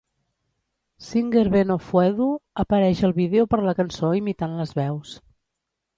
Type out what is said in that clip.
Singer Ben Ofoedu apareix al vídeo per la cançó imitant les veus.